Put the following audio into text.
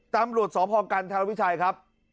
ตำรวจสอพกรรมธารวจวิชัยครับ